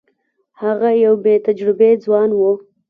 هغه یو بې تجربې ځوان وو.